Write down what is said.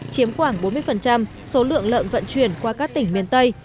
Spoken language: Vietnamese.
chiếm khoảng bốn mươi số lượng lợn vận chuyển qua các tỉnh miền tây